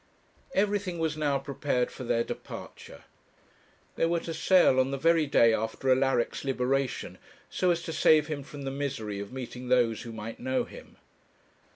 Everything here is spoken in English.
Everything was now prepared for their departure. They were to sail on the very day after Alaric's liberation, so as to save him from the misery of meeting those who might know him.